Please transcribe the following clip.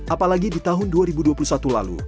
apalagi di tahun dua ribu dua puluh satu lalu